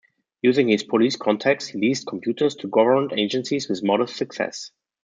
Using his police contacts, he leased computers to government agencies with modest success.